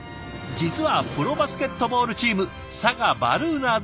実はプロバスケットボールチーム佐賀バルーナーズ